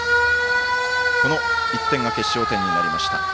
この１点が決勝点になりました。